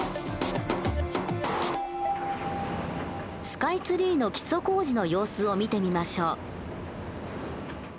スカイツリーの基礎工事の様子を見てみましょう。